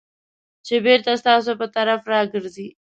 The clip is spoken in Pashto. چې بېرته ستاسو په طرف راګرځي .